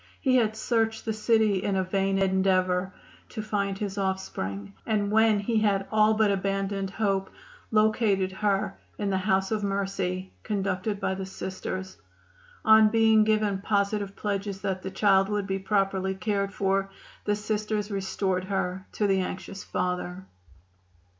He had searched the city in a vain endeavor to find his offspring, and when he had all but abandoned hope located her in the "House of Mercy," conducted by the Sisters. On being given positive pledges that the child would be properly cared for the Sisters restored her to the anxious father.